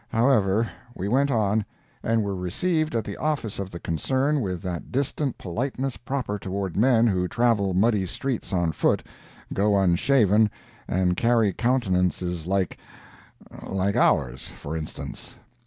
However, we went on, and were received at the office of the concern with that distant politeness proper toward men who travel muddy streets on foot, go unshaven, and carry countenances like—like ours, for instance.